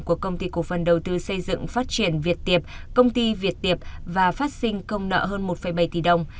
của công ty cổ phần đầu tư xây dựng phát triển việt tiệp công ty việt tiệp và phát sinh công nợ hơn một bảy tỷ đồng